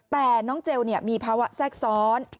แต่น้องเจลมีภาวะแทรกซ้อน